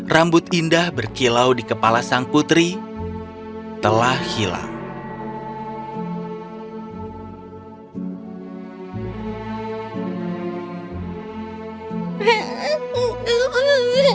rambut indah berkilau di kepala sang putri telah hilang